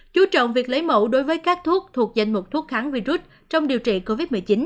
chú trọng việc lấy mẫu đối với các thuốc thuộc danh mục thuốc kháng virus trong điều trị covid một mươi chín